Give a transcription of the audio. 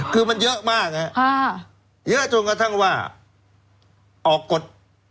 คือมันเยอะมากเยอะจนกระทั่งว่าออกกฎ